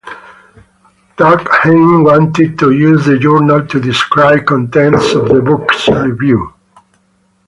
Durkheim wanted to use the journal to describe contents of the books reviewed.